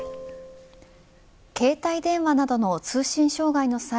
携帯電話などの通信障害の際